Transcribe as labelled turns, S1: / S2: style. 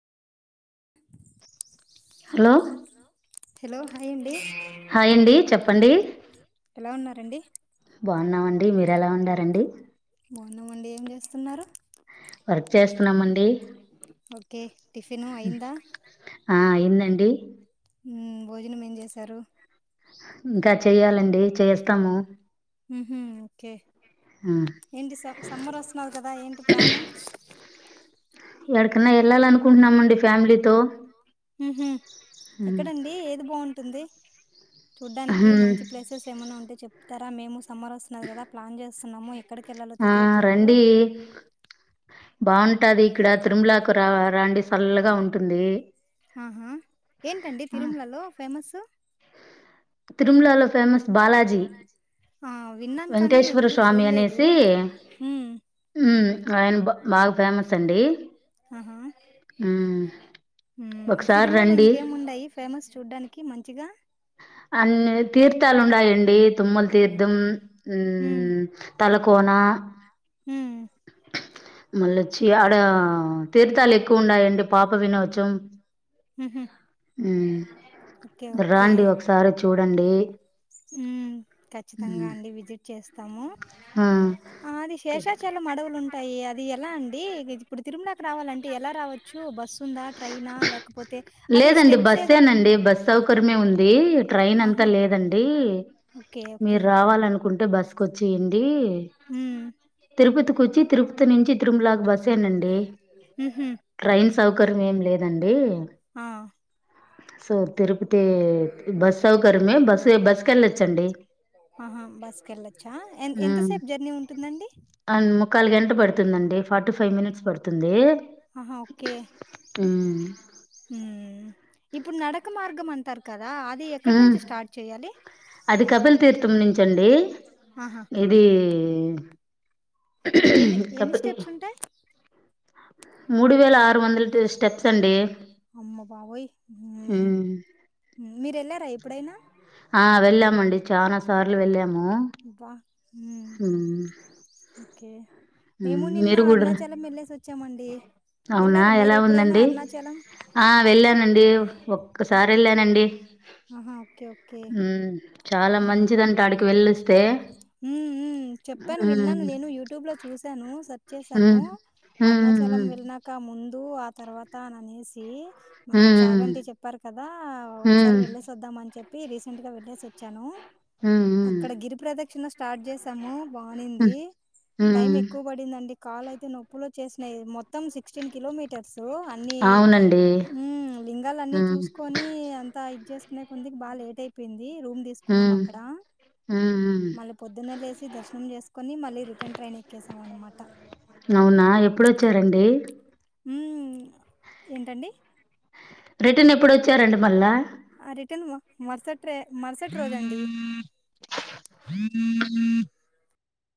S1: Hello
S2: hello hi అండి
S1: hi అండి చెప్పండి
S2: ఎలా ఉన్నారండి
S1: బాన్ బాన్నమండి మీరు ఎలా ఉండారండి
S2: బాన్నామండి ఏం చేస్తున్నారు
S1: వర్క్ చేస్తున్నామండి
S2: ఓకే టిఫన్ అయ్యిందా
S1: ఆ అయిందండి
S2: మ్మ్ భోజనం ఏం చేశారు
S1: ఇంకా చెయ్యాలండి చేస్తాము
S2: మ్మ్ హ్మ్ ఓకే
S1: ఆ,
S2: ఏంటి స సమ్మర్ వస్తున్నాది కదా ఏంటి ప్లాను
S1: యాడకన్నా వెళ్ళాలనుకుంటున్నామండి ఫ్యామిలీతో
S2: మ్మ్ హ్మ్
S1: ఉమ్,
S2: ఎక్కడండి ఏది బావుంట్ టుంది చూడ్డానికి
S1: ఉమ్,
S2: మంచి ప్లేసెస్ ఏమన్నా ఉంటే చెప్తారా మేముస్ సమర్ వస్తున్నాది కదా ప్లాన్ చేస్ సున్నామో
S1: ఆ రండి బాగుంటాది ఇక్కడ తిరుమలాకు రా రండి సల్లగా ఉంటుంది
S2: ఆహా ఏంటండి
S1: ఆ,
S2: తిరుమలలో ఫేమసు
S1: తిరుమలలో ఫేమస్ బాలాజీ
S2: ఆ, విన్నాను కానీ
S1: వెంకటేశ్వర
S2: ఎప్పుడు
S1: స్వామి
S2: చూడలేదు
S1: అనేసి
S2: మ్మ్.
S1: మ్మ్ ఆయన బ బాగా ఫేమస్ అండి
S2: ఆహా
S1: ఉమ్,
S2: మ్మ్
S1: ఒకసారి
S2: తిరుమలలో
S1: రండి
S2: ఇంకేం ఉండాయి ఫేమస్ చూడ్డానికి మంచిగా
S1: అన్నిత్ తీర్థాలు ఉండాయండి తుమ్మల తీర్థం మ్మ్ తల కోనా
S2: మ్మ్
S1: మల్లొచ్చి ఆడ తీర్థాలు ఎక్కువ ఉండాయండి పాప వినోచం
S2: హ్మ్ హ్మ్
S1: ఉ
S2: ఒకే ఒకే ఖచ్చితంగా
S1: మ్మ్
S2: అండి విజిట్ చేస్త త్తమ
S1: ఆ
S2: ఆది శేషాచాల మడవులు ఉంట ంటాయి అది ఎలా అండి ఇప్పుడు తిరుమలకి రావాలంటే ఎలా రావచ్చు బస్సు వస్తుందా ట్రైనా లేకపోతే అది
S1: లేదండి
S2: స్టెప్స్ ఏదో
S1: బస్ేనండి బస్కర్మే ఉంది ట్రైన్ అంతా
S2: ఆహా!
S1: లేదండి
S2: ఓకే. ఓకే.
S1: మీరు రావాలనుకు కుంటే బస్కు వచ్చేయండి
S2: హ్మ్.
S1: తిరుపతికి వచ్చి తిరుపతి నుంచి తిరుమలా బస్ ఏండి
S2: హుహు.
S1: ట్రైన్ సౌకర్యం ఏం లేదండి
S2: ఆ
S1: సో తిరుపతి బస్ సౌకర్యమే బస్సు బస్సుకి వెళ్ళొచ్చండి
S2: ఆహా బస్క వెళ్ళచ్చా ఎ
S1: ఉమ్
S2: ఎంతసేపు జర్నీ ఉంటుందండి
S1: అండ్ ముక్కాలు గంట పడుతుందండి ఫార్టీ ఫైవ్ మినిట్స్ పడుతుంది
S2: ఆహా ఓకే
S1: ఉమ్
S2: ఉమ్ ఇప్పుడు నడక మార్గం అంటారు కదా కదా అది ఎక్కడి
S1: ఉమ్
S2: నుంచి స్టార్ట్ చేయాలి
S1: అది కపిల్ తీర్థం నుంచండి
S2: ఆహా
S1: ఇది అ
S2: ఎన్ని ఎన్ని స్టెప్స్ ఉంటాయి
S1: మూడు వేల ఆరు వందల స్టెప్స్ అండి
S2: అమ్మ బాబోయ్ మ్మ్ మీరు వెళ్ళారా ఎప్పుడైనా
S1: ఆ వెళ్ళామండి చాల సార్లు వెళ్ ము
S2: బా ఓకే మేము నిన్న
S1: మీరు కూడారు
S2: అరుణాచలం వెళ్ళేసి వచ్చామండి
S1: అవునా
S2: వెళ్ళారా మీరు
S1: ఎలా
S2: ఎప్పుడైనా
S1: ఉందండి
S2: అరుణాచలం
S1: ఆ వెళ్ళానండి ఒక్కసారి వెళ్ళానండి
S2: ఆహా ఓకే ఓకే
S1: చాలా
S2: ఉమ్
S1: మంచిదంట ఆడికి వెళ్ళొస్తే.
S2: ఉమ్ చెప్పాను విన్నాను
S1: హ్మ్.
S2: నేను యూట్యూబ్ లో చూసి ను స వచ్చసాను
S1: హ్మ్. హ్మ్.
S2: అరుణాచలం వెళ్ళినక ముందు ఆ తర్వాత ననేసి
S1: హ్మ్.
S2: మన
S1: హ్మ్.
S2: చాగంతి చెప్పారు కదా ఒకసారి
S1: హ్మ్.
S2: వెళ్లేసి వద్దామ అని చెప్ రీసెంట్గా వెళ్ చఛను
S1: హ్మ్.
S2: అక్కడ గిరిపరదక్షిణ స్ స్టార్ట్ చేసాము
S1: హ్మ్.
S2: బానింది టైం
S1: హ్మ్.
S2: ఎక్కువ పడిందండి కాలు అయితే నొప్పుిలో చేసినాయి మొత్తం సిక్స్టీన్ కిలోమీటర్స్ అన్ని
S1: అవునండి.
S2: లింగాల అన్ని
S1: హ్మ్.
S2: చూసుకొని అంతా చేసుకునే కొందుకి బాగా లేట్ అయిపోయింది రూ
S1: ఆ ఆ
S2: మళ్ళీ పొద్న్న లేేసి దర్శం చేసుకొని మళ్ళీ రిటర్న్ ట్రైన్ ఎక్కేసాం అనమాట
S1: అవునా ఎప్పుడొచ్చారండి
S2: ఏంటండి
S1: రిటర్న్ ఎప్పుడు వచ్చారండి మళ్ళా
S2: తినుమా మర్సట్ రే మరుసటి రోజండి